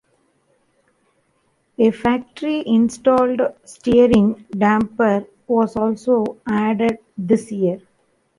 A factory-installed steering damper was also added this year.